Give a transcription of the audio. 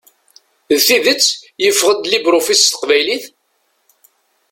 D tidet yeffeɣ-d LibreOffice s teqbaylit?